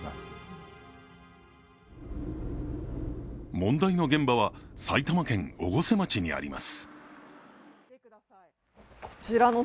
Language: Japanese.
問題の現場は、埼玉県越生町にあります。